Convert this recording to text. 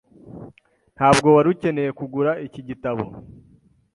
Ntabwo wari ukeneye kugura iki gitabo.